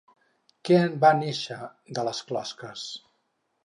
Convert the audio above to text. Què en va néixer de les closques?